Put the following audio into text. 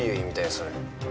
それ。